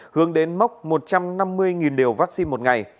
hướng đến mốc một trăm năm mươi liều vaccine một ngày